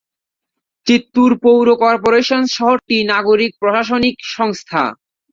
চিত্তুর পৌর কর্পোরেশন শহরটির নাগরিক প্রশাসনিক সংস্থা।